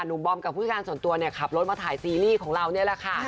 หนูบอมกับผู้ชมส่วนตัวขับรถมาถ่ายซีรีส์ของเรานี่แหละค่ะ